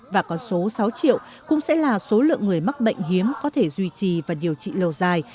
và con số sáu triệu cũng sẽ là số lượng người mắc bệnh hiếm có thể duy trì và điều trị lâu dài